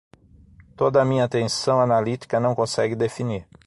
toda a minha atenção analítica não consegue definir.